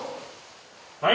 はい！